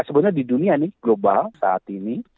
sebenarnya di dunia nih global saat ini